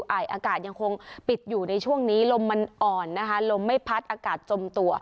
อากาศยังคงปิดอยู่ในช่วงนี้ลมมันอ่อนนะคะลมไม่พัดอากาศจมตัว